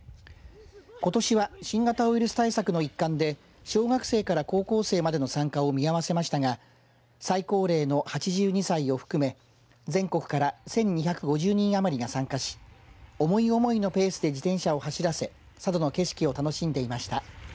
ことしは新型ウイルス対策の一環で小学生から高校生までの参加を見合わせましたが最高齢の８２歳を含め全国から１２５０人余りが参加し思い思いのペースで自転車を走らせ佐渡の景色を楽しんでいました。